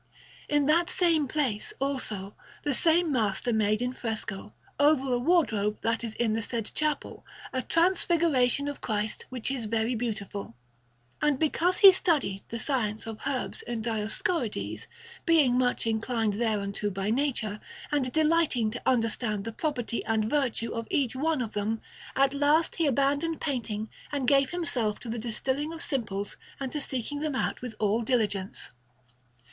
In that same place, also, the same master made in fresco, over a wardrobe that is in the said chapel, a Transfiguration of Christ which is very beautiful. And because he studied the science of herbs in Dioscorides, being much inclined thereunto by nature, and delighting to understand the property and virtue of each one of them, at last he abandoned painting and gave himself to the distilling of simples and to seeking them out with all diligence.